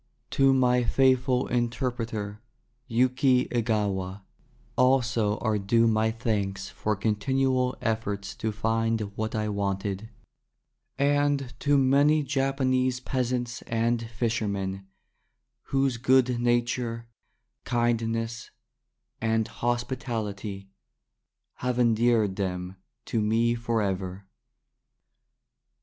To my faithful interpreter Yuki Egawa also are due my thanks for continual efforts to find what I wanted ; and to many Japanese peasants and fishermen, whose good nature, kindness, and hospitality have endeared them to me for ever.